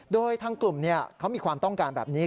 โดยทางกลุ่มเขามีความต้องการแบบนี้